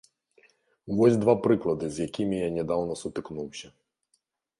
Вось два прыклады, з якімі я нядаўна сутыкнуўся.